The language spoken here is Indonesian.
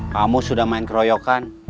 kamu sudah main keroyokan